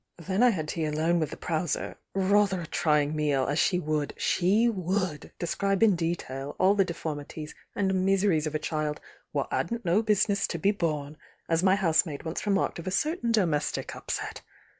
Then I had tea alone with the Prowser —rather a trying meal, as ehe would, «he would describe in detail all the deformities and miseries of a child 'wot 'adn't no business to be born, as my housemaid once remarked of a certain domestic up set.